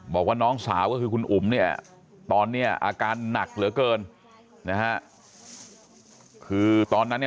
บอกว่าน้องสาวก็คือคุณอุ๋มเนี่ยตอนนี้อาการหนักเหลือเกินนะฮะคือตอนนั้นเนี่ย